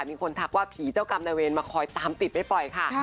มีคนทักว่าผีเจ้ากรรมนายเวรมาคอยตามติดไม่ปล่อยค่ะ